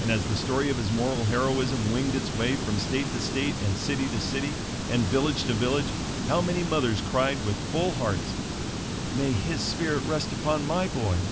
And as the story of his moral heroism winged its way from state to state, and city to city, and village to village, how many mothers cried with full hearts: "May his spirit rest upon my boy!"